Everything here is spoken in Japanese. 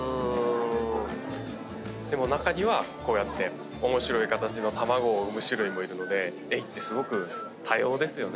でも中にはこうやって面白い形の卵を産む種類もいるのでエイってすごく多様ですよね。